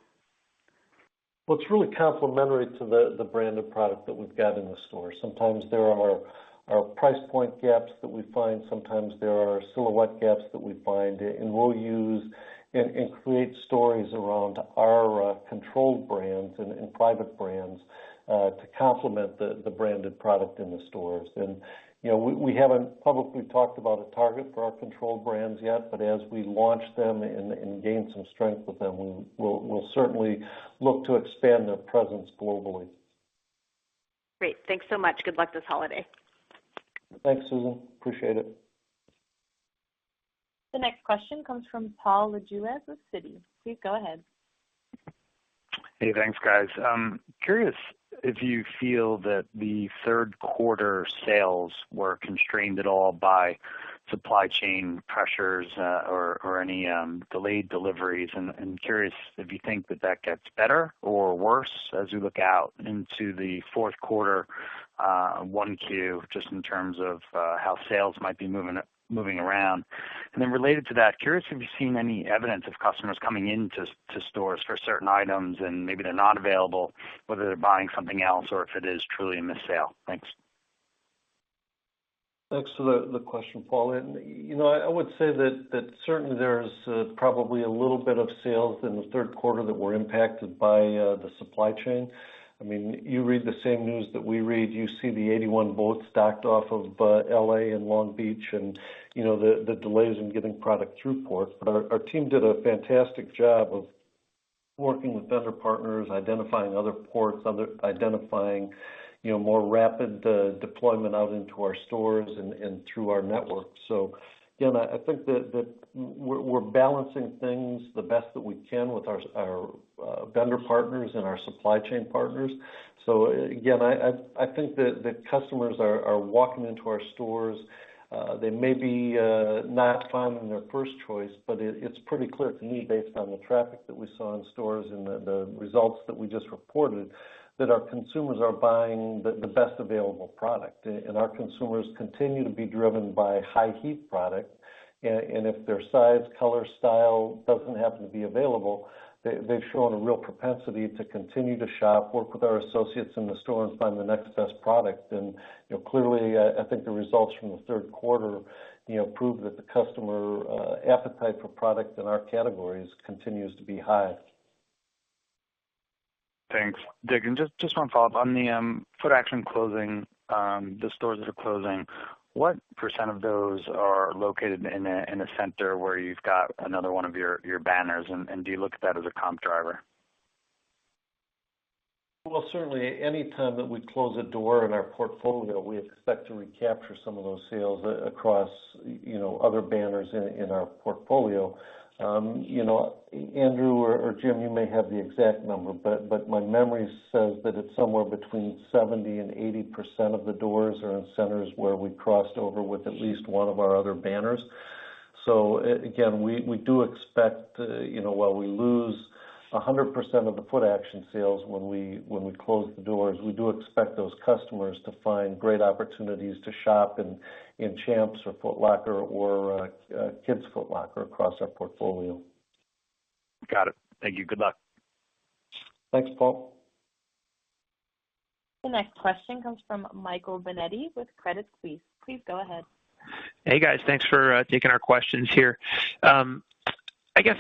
Well, it's really complementary to the branded product that we've got in the store. Sometimes there are price point gaps that we find. Sometimes there are silhouette gaps that we find. We'll use and create stories around our controlled brands and private brands to complement the branded product in the stores. You know, we haven't publicly talked about a target for our controlled brands yet, but as we launch them and gain some strength with them, we'll certainly look to expand their presence globally. Great. Thanks so much. Good luck this holiday. Thanks, Susan. Appreciate it. The next question comes from Paul Lejuez with Citi. Please go ahead. Hey, thanks, guys. I'm curious if you feel that the Q3 sales were constrained at all by supply chain pressures, or any delayed deliveries. Curious if you think that gets better or worse as we look out into the Q4, Q1, just in terms of how sales might be moving around. Related to that, curious, have you seen any evidence of customers coming into stores for certain items and maybe they're not available, whether they're buying something else or if it is truly a missed sale? Thanks. Thanks for the question, Paul. You know, I would say that certainly there's probably a little bit of sales in the Q3 that were impacted by the supply chain. I mean, you read the same news that we read. You see the 81 boats docked off of L.A. and Long Beach and the delays in getting product through ports. Our team did a fantastic job of working with vendor partners, identifying other ports, identifying more rapid deployment out into our stores and through our network. Again, I think that we're balancing things the best that we can with our vendor partners and our supply chain partners. Again, I think that customers are walking into our stores. They may be not finding their first choice, but it's pretty clear to me based on the traffic that we saw in stores and the results that we just reported, that our consumers are buying the best available product. Our consumers continue to be driven by high heat product. If their size, color, style doesn't happen to be available, they've shown a real propensity to continue to shop, work with our associates in the store and find the next best product. You know, clearly, I think the results from the Q3, you know, prove that the customer appetite for product in our categories continues to be high. Thanks, Dick. Just one follow-up. On the Footaction closing, the stores that are closing, what percent of those are located in a center where you've got another one of your banners, and do you look at that as a comp driver? Well, certainly any time that we close a door in our portfolio, we expect to recapture some of those sales across, you know, other banners in our portfolio. You know, Andrew or Jim, you may have the exact number, but my memory says that it's somewhere between 70% to 80% of the doors are in centers where we crossed over with at least one of our other banners. Again, we do expect, you know, while we lose 100% of the Footaction sales when we close the doors, we do expect those customers to find great opportunities to shop in Champs or Foot Locker or Kids Foot Locker across our portfolio. Got it. Thank you. Good luck. Thanks, Paul. The next question comes from Michael Binetti with Credit Suisse. Please go ahead. Hey, guys. Thanks for taking our questions here. I guess,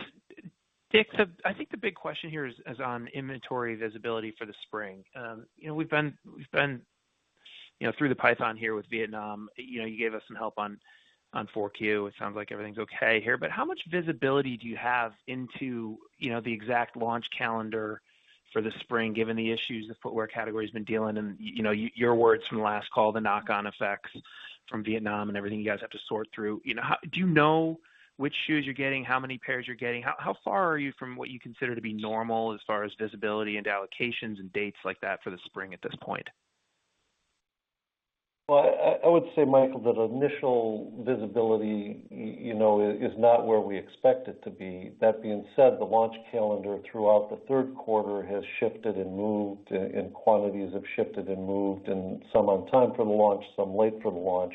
Dick, I think the big question here is on inventory visibility for the spring. You know, we've been through the pipeline here with Vietnam. You know, you gave us some help on 4Q. It sounds like everything's okay here. But how much visibility do you have into the exact launch calendar for the spring, given the issues the footwear category has been dealing and your words from the last call, the knock-on effects from Vietnam and everything you guys have to sort through? You know, do you know which shoes you're getting? How many pairs you're getting? How far are you from what you consider to be normal as far as visibility into allocations and dates like that for the spring at this point? Well, I would say, Michael, that initial visibility, you know, is not where we expect it to be. That being said, the launch calendar throughout the Q3 has shifted and moved, and quantities have shifted and moved, some on time for the launch, some late for the launch.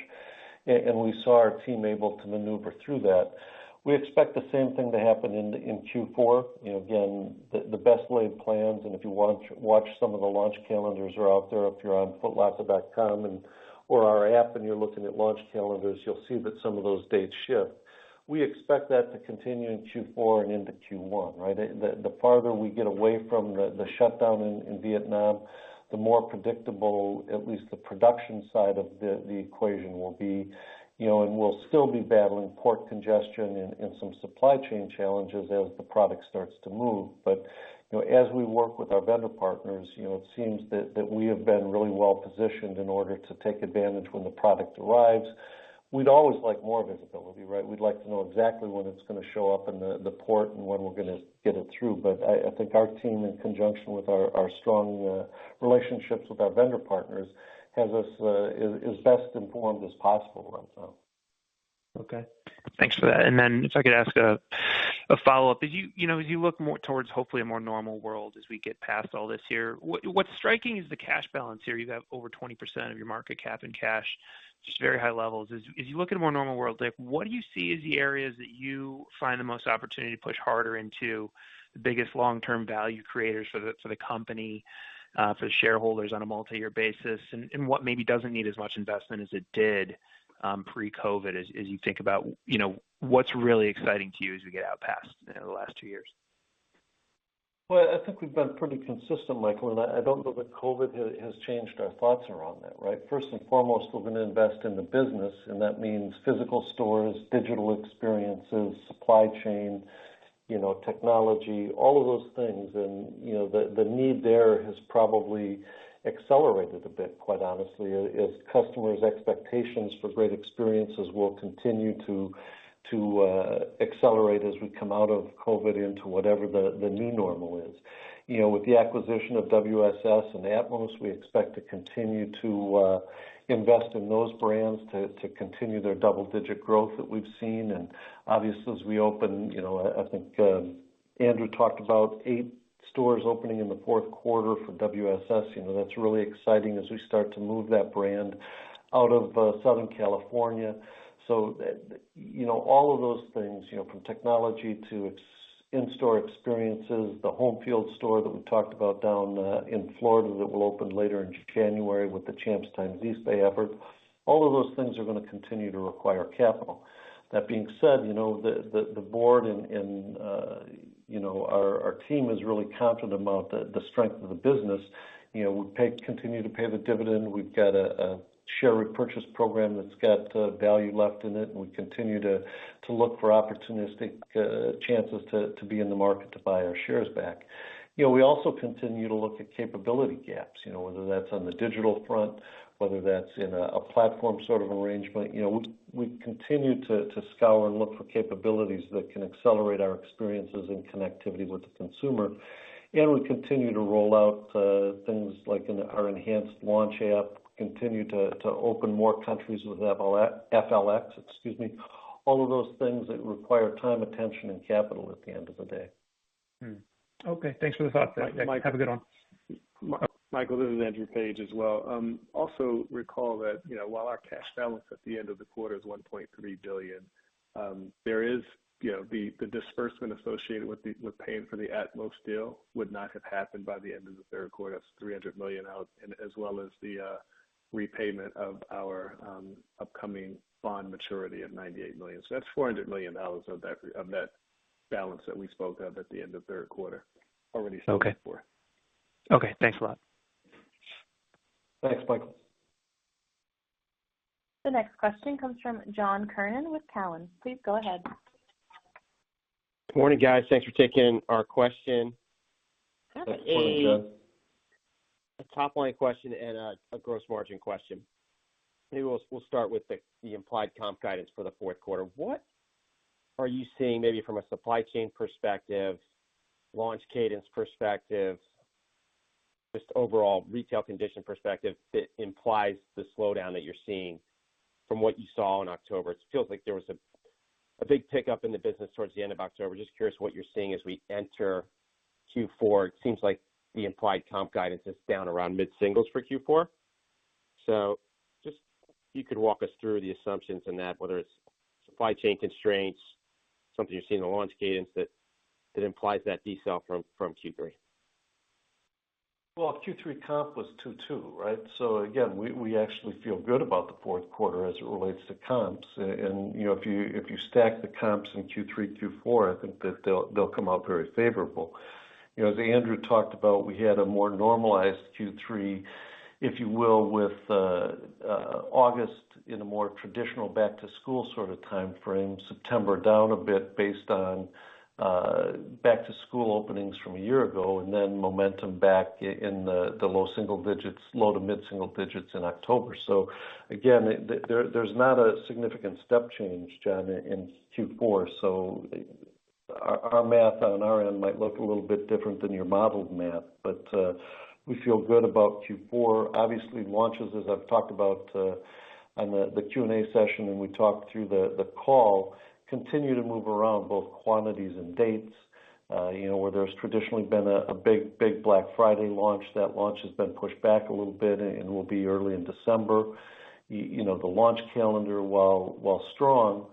We saw our team able to maneuver through that. We expect the same thing to happen in Q4. You know, again, the best laid plans, and if you watch some of the launch calendars are out there. If you're on footlocker.com and or our app and you're looking at launch calendars, you'll see that some of those dates shift. We expect that to continue in Q4 and into Q1, right? The farther we get away from the shutdown in Vietnam, the more predictable at least the production side of the equation will be. You know, we'll still be battling port congestion and some supply chain challenges as the product starts to move. You know, as we work with our vendor partners, you know, it seems that we have been really well positioned in order to take advantage when the product arrives. We'd always like more visibility, right? We'd like to know exactly when it's gonna show up in the port and when we're gonna get it through. I think our team in conjunction with our strong relationships with our vendor partners has us as best informed as possible right now. Okay. Thanks for that. If I could ask a follow-up. As you know, as you look more towards hopefully a more normal world as we get past all this here, what's striking is the cash balance here. You have over 20% of your market cap in cash, just very high levels. As you look at a more normal world, like, what do you see as the areas that you find the most opportunity to push harder into the biggest long-term value creators for the company for the shareholders on a multi-year basis? What maybe doesn't need as much investment as it did pre-COVID as you think about, you know, what's really exciting to you as we get out past, you know, the last two years? Well, I think we've been pretty consistent, Michael, and I don't know that COVID has changed our thoughts around that, right? First and foremost, we're gonna invest in the business, and that means physical stores, digital experiences, supply chain. You know, technology, all of those things. You know, the need there has probably accelerated a bit, quite honestly, as customers' expectations for great experiences will continue to accelerate as we come out of COVID into whatever the new normal is. You know, with the acquisition of WSS and atmos, we expect to continue to invest in those brands to continue their double-digit growth that we've seen. Obviously, as we open, you know, I think Andrew talked about eight stores opening in the Q4 for WSS. You know, that's really exciting as we start to move that brand out of Southern California. You know, all of those things, you know, from technology to in-store experiences, the Homefield store that we talked about down in Florida that will open later in January with the Champs x Eastbay effort, all of those things are gonna continue to require capital. That being said, you know, the board and you know, our team is really confident about the strength of the business. You know, we continue to pay the dividend. We've got a share repurchase program that's got value left in it, and we continue to look for opportunistic chances to be in the market to buy our shares back. You know, we also continue to look at capability gaps, you know, whether that's on the digital front, whether that's in a platform sort of arrangement. You know, we continue to scour and look for capabilities that can accelerate our experiences and connectivity with the consumer. We continue to roll out things like our enhanced Launch app, continue to open more countries with FLX, excuse me. All of those things that require time, attention, and capital at the end of the day. Okay. Thanks for the thoughts. Yeah. Have a good one. Michael, this is Andrew Page as well. Also recall that, you know, while our cash balance at the end of the quarter is $1.3 billion, there is, you know, the disbursement associated with paying for the atmos deal would not have happened by the end of the Q3. That's $300 million out and as well as the repayment of our upcoming bond maturity of $98 million. That's $400 million of that balance that we spoke of at the end of Q3 already accounted for. Okay, thanks a lot. Thanks, Michael. The next question comes from John Kernan with TD Cowen. Please go ahead. Morning, guys. Thanks for taking our question. Morning, John. A top line question and a gross margin question. Maybe we'll start with the implied comp guidance for the Q4. What are you seeing maybe from a supply chain perspective, launch cadence perspective, just overall retail condition perspective that implies the slowdown that you're seeing from what you saw in October? It feels like there was a big pickup in the business towards the end of October. Just curious what you're seeing as we enter Q4. It seems like the implied comp guidance is down around mid-singles for Q4. So just if you could walk us through the assumptions in that, whether it's supply chain constraints, something you're seeing in the launch cadence that implies that decel from Q3. Well, Q3 comp was 2.2, right? Again, we actually feel good about the Q4 as it relates to comps. You know, if you stack the comps in Q3, Q4, I think that they'll come out very favorable. You know, as Andrew talked about, we had a more normalized Q3 with August in a more traditional back-to-school sort of timeframe. September down a bit based on back-to-school openings from a year ago, and then momentum back in the low single digits, low to mid single digits in October. Again, there's not a significant step change, John, in Q4. Our math on our end might look a little bit different than your modeled math, but we feel good about Q4. Obviously, launches, as I've talked about, on the Q&A session and we talked through the call, continue to move around both quantities and dates. You know, where there's traditionally been a big Black Friday launch, that launch has been pushed back a little bit and will be early in December. You know, the launch calendar, while strong,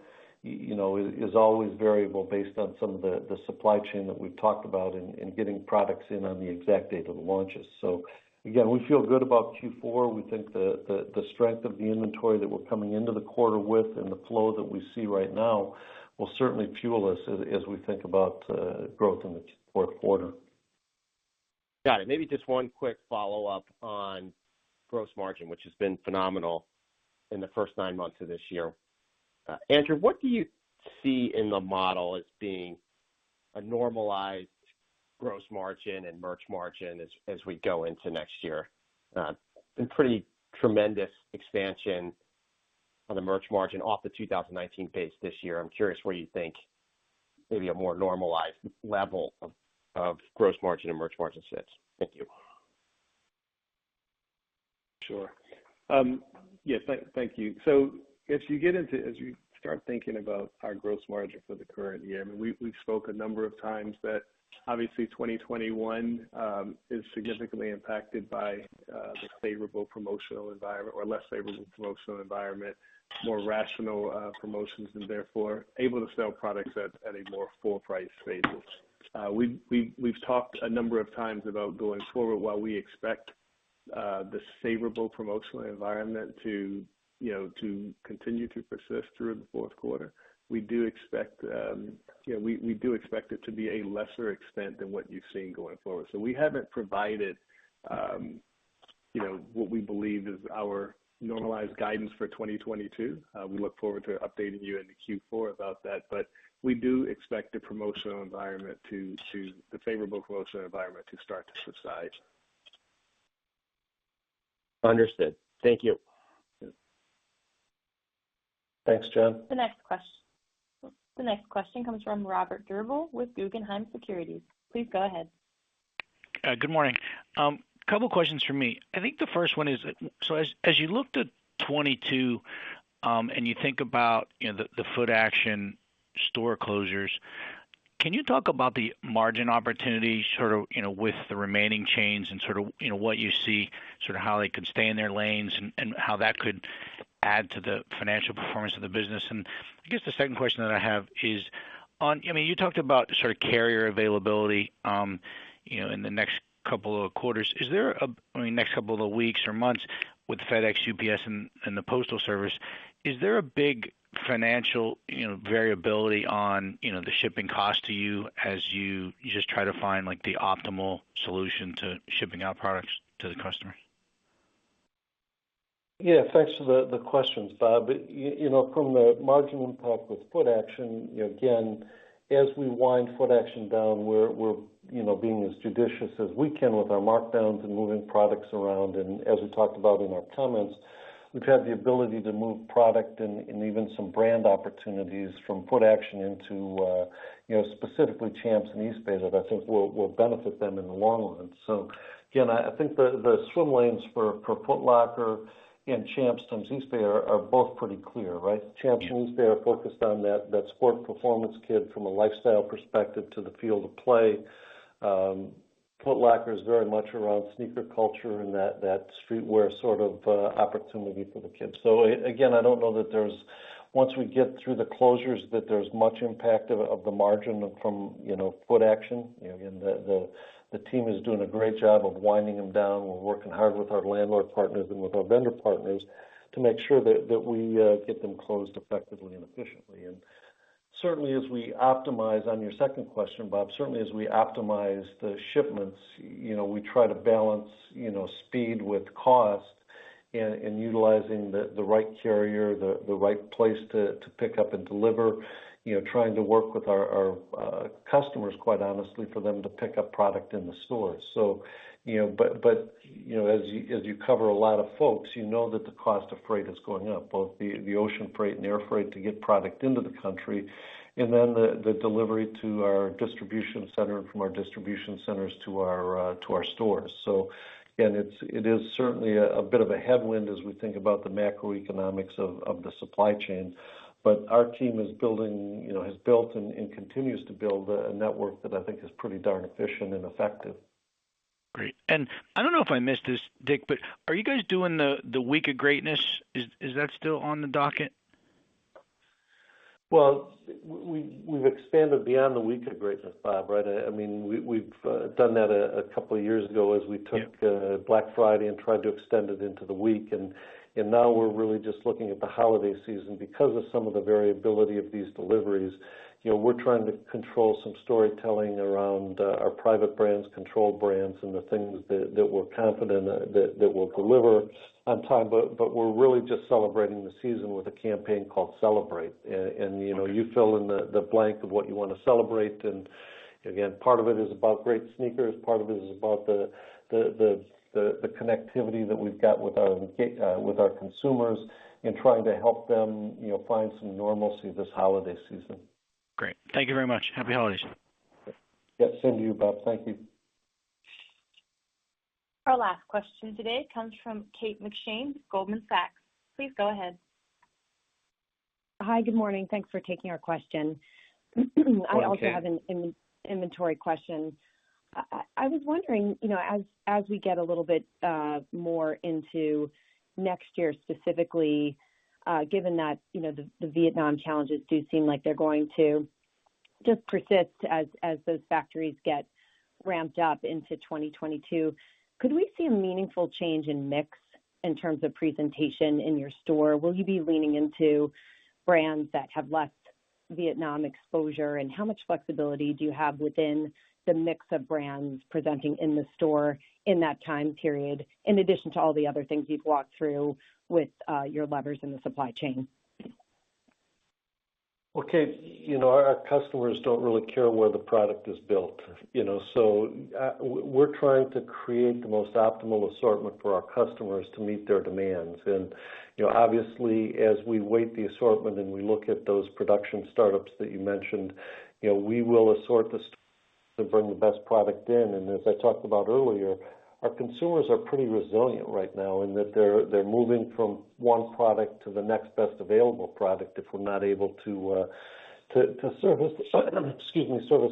is always variable based on some of the supply chain that we've talked about and getting products in on the exact date of the launches. So again, we feel good about Q4. We think the strength of the inventory that we're coming into the quarter with and the flow that we see right now will certainly fuel us as we think about growth in the Q4. Got it. Maybe just one quick follow-up on gross margin, which has been phenomenal in the first nine months of this year. Andrew, what do you see in the model as being a normalized gross margin and merch margin as we go into next year? Been pretty tremendous expansion on the merch margin off the 2019 pace this year. I'm curious where you think maybe a more normalized level of gross margin and merch margin sits. Thank you. Sure. Yes. Thank you. As you start thinking about our gross margin for the current year, I mean, we've spoken a number of times that obviously 2021 is significantly impacted by the favorable promotional environment or less favorable promotional environment, more rational promotions and therefore able to sell products at a more full price basis. We've talked a number of times about going forward, while we expect this favorable promotional environment to, you know, continue to persist through the Q4, we do expect it to be a lesser extent than what you've seen going forward. We haven't provided, you know, what we believe is our normalized guidance for 2022. We look forward to updating you in Q4 about that. We do expect the favorable promotional environment to start to subside. Understood. Thank you. Thanks, John. The next question comes from Robert Drbul with Guggenheim Securities. Please go ahead. Good morning. Couple of questions from me. I think the first one is, so as you looked at 2022, and you think about, you know, the Footaction store closures, can you talk about the margin opportunity sort of, you know, with the remaining chains and sort of, you know, what you see, sort of how they could stay in their lanes and how that could add to the financial performance of the business? I guess the second question that I have is on, I mean, you talked about sort of carrier availability, you know, in the next couple of quarters. Is there, I mean, next couple of weeks or months with FedEx, UPS and the Postal Service, is there a big financial, you know, variability on, you know, the shipping cost to you as you just try to find like the optimal solution to shipping out products to the customer? Yeah. Thanks for the question, Robert. You know, from a margin impact with Footaction, again, as we wind Footaction down, we're you know, being as judicious as we can with our markdowns and moving products around. As we talked about in our comments, we've had the ability to move product and even some brand opportunities from Footaction into you know, specifically Champs and Eastbay that I think will benefit them in the long run. Again, I think the swim lanes for Foot LCKR and Champs and Eastbay are both pretty clear, right? Champs and Eastbay are focused on that sport performance kid from a lifestyle perspective to the field of play. Foot LCKR is very much around sneaker culture and that streetwear sort of opportunity for the kids. Again, I don't know that there's. Once we get through the closures, there's not much impact on the margin from Footaction. You know, again, the team is doing a great job of winding them down. We're working hard with our landlord partners and with our vendor partners to make sure that we get them closed effectively and efficiently. Certainly, as we optimize. On your second question, Robert. Certainly, as we optimize the shipments, you know, we try to balance, you know, speed with cost in utilizing the right carrier, the right place to pick up and deliver. Trying to work with our customers, quite honestly, for them to pick up product in the store. You know, as you cover a lot of folks, you know that the cost of freight is going up, both the ocean freight and air freight to get product into the country, and then the delivery to our distribution center and from our distribution centers to our stores. It is certainly a bit of a headwind as we think about the macroeconomics of the supply chain. Our team has built and continues to build a network that I think is pretty darn efficient and effective. Great. I don't know if I missed this, Dick, but are you guys doing the Week of Greatness? Is that still on the docket? Well, we've expanded beyond the Week of Greatness, Robert, right? I mean, we've done that a couple of years ago as we took. Yeah. Black Friday and tried to extend it into the week. Now we're really just looking at the holiday season because of some of the variability of these deliveries. You know, we're trying to control some storytelling around our private brands, control brands and the things that we're confident that will deliver on time. We're really just celebrating the season with a campaign called Celebrate. You know, you fill in the blank of what you wanna celebrate. Again, part of it is about great sneakers, part of it is about the connectivity that we've got with our consumers and trying to help them, you know, find some normalcy this holiday season. Great. Thank you very much. Happy holidays. Yeah. Same to you, Robert. Thank you. Our last question today comes from Kate McShane, Goldman Sachs. Please go ahead. Hi. Good morning. Thanks for taking our question. Good morning, Kate. I also have an inventory question. I was wondering, you know, as we get a little bit more into next year, specifically, given that, you know, the Vietnam challenges do seem like they're going to just persist as those factories get ramped up into 2022. Could we see a meaningful change in mix in terms of presentation in your store? Will you be leaning into brands that have less Vietnam exposure? And how much flexibility do you have within the mix of brands presenting in the store in that time period, in addition to all the other things you've walked through with your levers in the supply chain? Well, Kate, you know, our customers don't really care where the product is built, you know. We're trying to create the most optimal assortment for our customers to meet their demands. You know, obviously, as we weigh the assortment and we look at those production startups that you mentioned, you know, we will assort the stores to bring the best product in. As I talked about earlier, our consumers are pretty resilient right now, and they're moving from one product to the next best available product if we're not able to service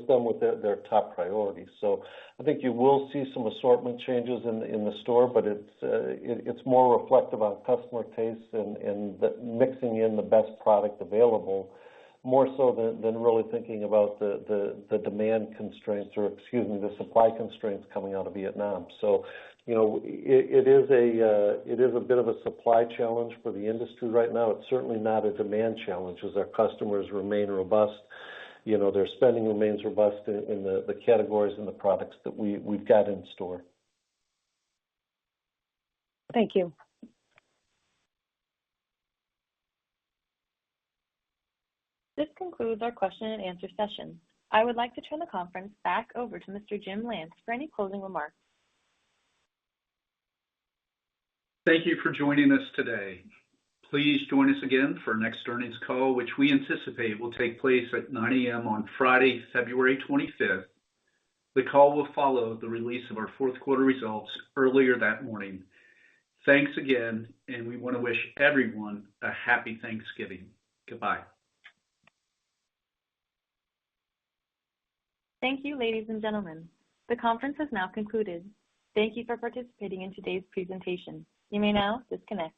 them with their top priority. I think you will see some assortment changes in the store, but it's more reflective on customer tastes and the mixing in the best product available, more so than really thinking about the demand constraints or, excuse me, the supply constraints coming out of Vietnam. You know, it is a bit of a supply challenge for the industry right now. It's certainly not a demand challenge as our customers remain robust. You know, their spending remains robust in the categories and the products that we've got in store. Thank you. This concludes our question and answer session. I would like to turn the conference back over to Mr. James Lance for any closing remarks. Thank you for joining us today. Please join us again for our next earnings call, which we anticipate will take place at 9:00 A.M. on Friday, February 25. The call will follow the release of our Q4 results earlier that morning. Thanks again, and we wanna wish everyone a happy Thanksgiving. Goodbye. Thank you, ladies and gentlemen. The conference has now concluded. Thank you for participating in today's presentation. You may now disconnect.